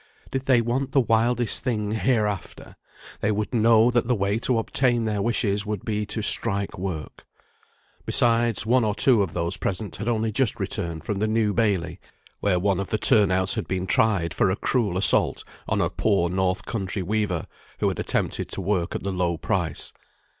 Did they want the wildest thing heareafter, they would know that the way to obtain their wishes would be to strike work. Besides, one or two of those present had only just returned from the New Bailey, where one of the turn outs had been tried for a cruel assault on a poor north country weaver, who had attempted to work at the low price.